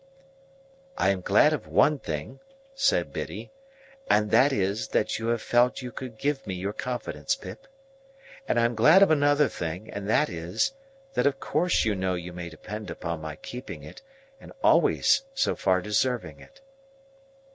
"I am glad of one thing," said Biddy, "and that is, that you have felt you could give me your confidence, Pip. And I am glad of another thing, and that is, that of course you know you may depend upon my keeping it and always so far deserving it.